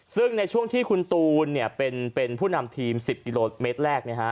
ซึ่งในช่วงที่คุณตูนเป็นผู้นำทีม๑๐กิโลเมตรแรก